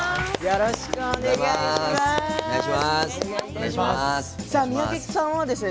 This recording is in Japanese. よろしくお願いします。